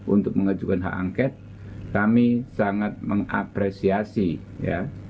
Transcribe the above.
untuk mengajukan hak angket kami sangat mengapresiasi ya